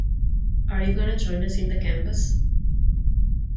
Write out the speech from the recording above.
Are you gonna join us in the campus?